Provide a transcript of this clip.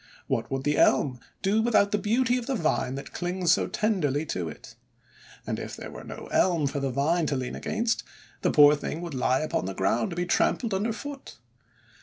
What would the Elm do with out the beauty of the vine that clings so tenderly to it? And if there were no Elm for the vine to lean against, the poor thing would lie upon the ground to be trampled under foot!